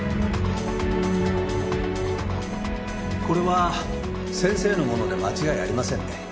これは先生の物で間違いありませんね？